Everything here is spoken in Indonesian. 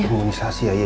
imunisasi ya dua